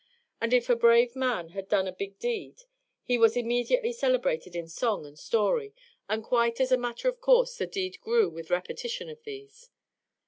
And if a brave man had done a big deed he was immediately celebrated in song and story, and quite as a matter of course, the deed grew with repetition of these.